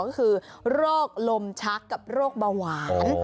ก็คือโรคลมชักกับโรคเบาหวาน